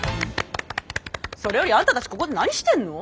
それよりあんたたちここで何してんの？